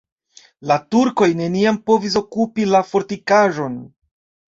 La turkoj neniam povis okupi la fortikaĵon.